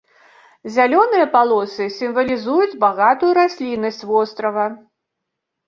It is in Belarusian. Зялёныя палосы сімвалізуюць багатую расліннасць вострава.